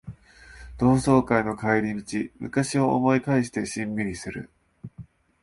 同窓会の帰り道、昔を思い返してしんみりする